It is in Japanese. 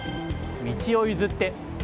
道を譲って！